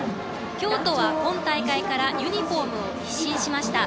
京都は今大会からユニフォームを一新しました。